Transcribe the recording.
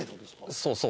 そうそう。